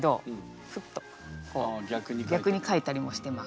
フッと逆に書いたりもしてます。